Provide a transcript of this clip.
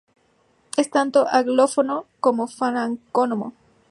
Es tanto anglófono como francófono.